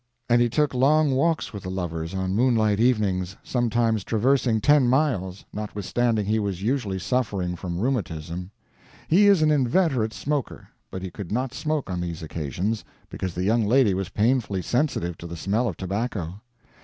And he took long walks with the lovers on moonlight evenings sometimes traversing ten miles, notwithstanding he was usually suffering from rheumatism. He is an inveterate smoker; but he could not smoke on these occasions, because the young lady was painfully sensitive to the smell of tobacco.